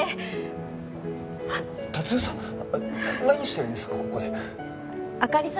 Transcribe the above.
何してるんですか？